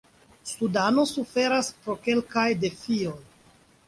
Sudano suferas pro kelkaj defioj.